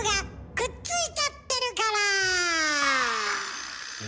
くっついちゃってる。